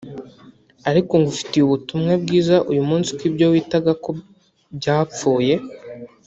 ariko ngufitiye ubutumwa bwiza uyu munsi ko ibyo witaga ko byapfuye